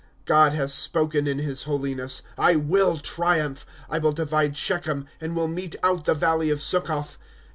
' God has spoken in his holiness. I will triumph ; I will divide Shechem, and will mete out the valley of Succoth.